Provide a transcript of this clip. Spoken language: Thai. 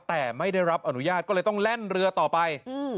แต่ไม่ได้รับอนุญาตก็เลยต้องแล่นเรือต่อไป